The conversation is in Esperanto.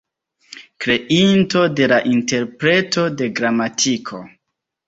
Kreinto de "La Interpreto de Gramatiko".